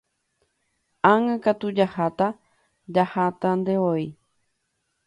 Ág̃akatu jahataha jahatantevoi.